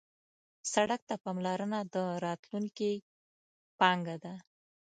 سړک ته پاملرنه د راتلونکي پانګه ده.